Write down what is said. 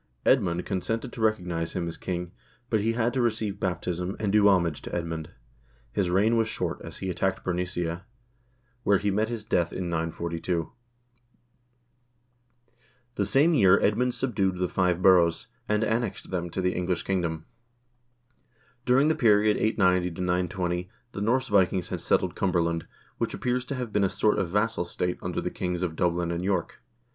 Edmund consented to recognize him as king, but he had to receive baptism, and do homage to Edmund. His reign was short, as he attacked Bernicia, where he met his death 1 Seamen, or sailors, means Norsemen. 158 HISTORY OF THE NORWEGIAN PEOPLE in 942. The same year Edmund subdued the "Five Boroughs," and annexed them to the English kingdom. During the period 890 920 the Norse Vikings had settled Cumberland, which appears to have been a sort of vassal state under the kings of Dublin and York.